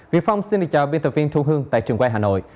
vị phong xin được chào biên tập viên thu hương tại trường quay hà nội